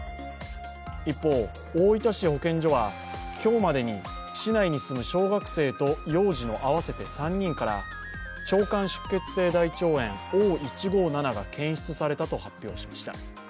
一方、大分市保健所は今日までに市内に住む小学生と幼児の合わせて３人から腸管出血性大腸菌＝Ｏ１５７が検出されたと発表しました。